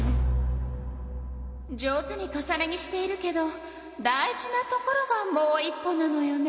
上手に重ね着しているけど大事なところがもう一歩なのよね。